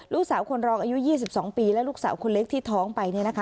ลูกสาวคนรองอายุยี่สิบสองปีและลูกสาวคนเล็กที่ท้องไปเนี่ยนะคะ